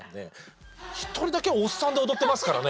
１人だけおっさんで踊ってますからね。